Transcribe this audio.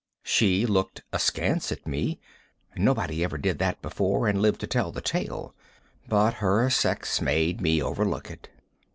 She looked askance at me. Nobody ever did that to me before and lived to tell the tale. But her sex made me overlook it.